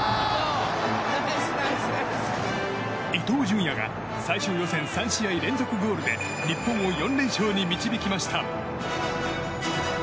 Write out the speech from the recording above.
伊東純也が最終予選３試合連続ゴールで日本を４連勝に導きました。